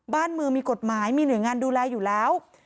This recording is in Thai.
บ้านเมืองมีกฎหมายมีหน่วยงานดูแลอยู่แล้ว